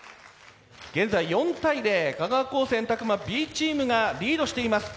現在４対０香川高専詫間Ｂチームがリードしています。